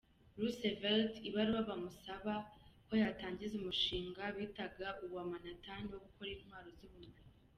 Roosevelt ibaruwa bamusaba ko yatangiza umushinga bitaga uwa Manhattan wo gukora intwaro z’ubumara.